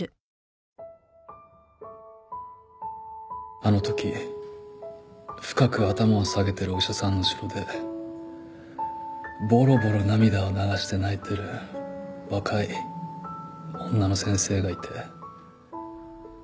あの時深く頭を下げてるお医者さんの後ろでボロボロ涙を流して泣いてる若い女の先生がいて。